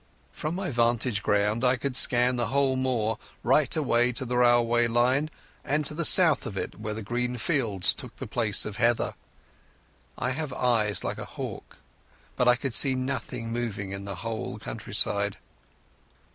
From my vantage ground I could scan the whole moor right away to the railway line and to the south of it where green fields took the place of heather. I have eyes like a hawk, but I could see nothing moving in the whole countryside.